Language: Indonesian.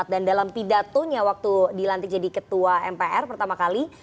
dan dalam pidatonya waktu dilantik jadi ketua mpr pertama kali